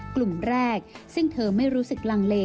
กลุ่มแรกซึ่งเธอไม่รู้สึกลังเล